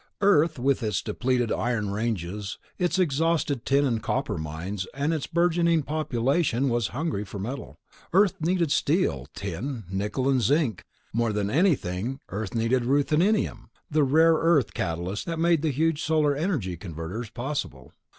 Earth, with its depleted iron ranges, its exhausted tin and copper mines, and its burgeoning population, was hungry for metal. Earth needed steel, tin, nickel, and zinc; more than anything, Earth needed ruthenium, the rare earth catalyst that made the huge solar energy converters possible.